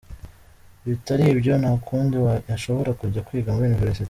Bitari ibyo ntakundi yashobora kujya kwiga muri Université.